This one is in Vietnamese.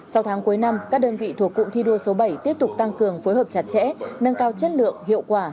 sau tháng cuối năm các đơn vị thuộc cụm thi đua số bảy tiếp tục tăng cường phối hợp chặt chẽ nâng cao chất lượng hiệu quả